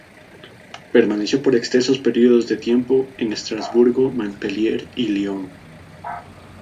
Permaneció por extensos periodos de tiempo en Estrasburgo, Montpellier y Lyon.